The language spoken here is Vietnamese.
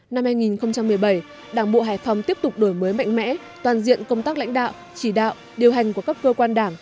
năm hai nghìn một mươi bảy đảng bộ hải phòng tiếp tục đổi mới mạnh mẽ toàn diện công tác lãnh đạo chỉ đạo điều hành của các cơ quan đảng